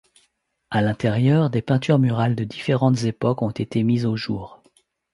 À l'intérieur, des peintures murales de différentes époques ont été mises au jour.